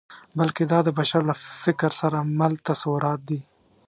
بلکې دا د بشر له فکر سره مل تصورات دي.